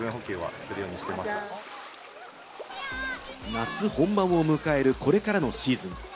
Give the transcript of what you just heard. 夏本番を迎えるこれからのシーズン。